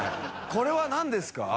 これはなんですか？